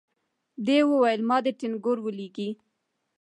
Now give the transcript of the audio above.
دې وويل ما ټنګور ولېږئ.